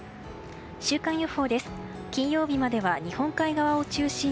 週間予報です。